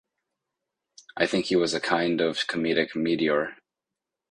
I think he was a kind of comedic meteor.